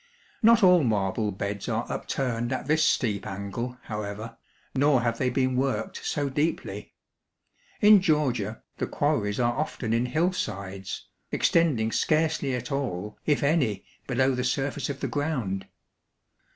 Not all marble beds are upturned at this steep angle, however, nor have they been worked so deeply. In Georgia, the quarries are often in hillsides, extending scarcely at all, if any, below the surface of the ground.